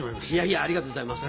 ありがとうございます